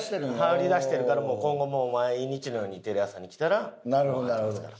貼り出してるから今後もう毎日のようにテレ朝に来たら貼ってますから。